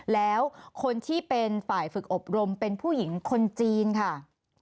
แล้วคนที่เป็นฝ่ายฝึกอบรมเป็นผู้หญิงคนจีนค่ะ